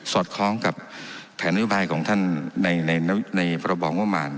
สอดคล้องกับแผนวิบายของท่านในในในในประบองงงมาร